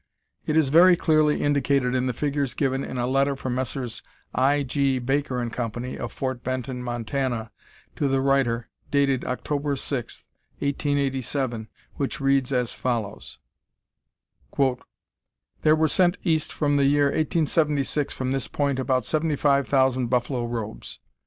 It is very clearly indicated in the figures given in a letter from Messrs. I. G. Baker & Co., of Fort Benton, Montana, to the writer, dated October 6, 1887, which reads as follows: "There were sent East from the year 1876 from this point about seventy five thousand buffalo robes.